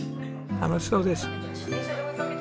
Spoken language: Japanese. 楽しそうです。